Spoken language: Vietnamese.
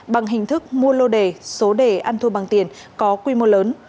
bằng hình thức mua lô đề số đề ăn thua bằng tiền có quy mô lớn